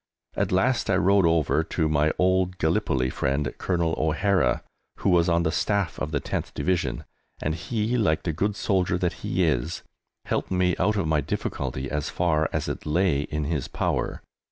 At last I rode over to my old Gallipoli friend, Colonel O'Hara, who was on the Staff of the 10th Division, and he, like the good soldier that he is, helped me out of my difficulty as far as it lay in his power.